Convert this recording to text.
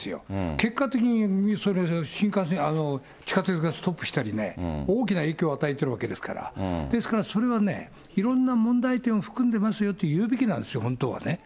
結果的に地下鉄がストップしたりね、大きな影響を与えてるわけですから、ですからそれはね、いろんな問題点を含んでますよというべきなんですよ、本当はね。